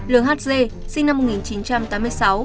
lh sinh năm một nghìn chín trăm tám mươi sáu